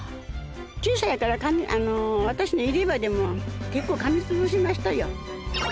小さいから私の入れ歯でも結構噛みつぶしましたよ。